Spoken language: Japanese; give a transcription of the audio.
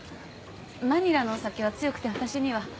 マニラのお酒は強くて私には。